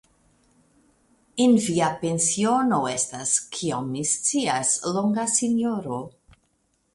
En via pensiono estas, kiom mi scias, longa sinjoro .